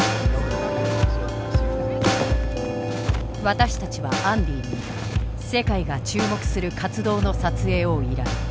私たちはアンディに世界が注目する活動の撮影を依頼。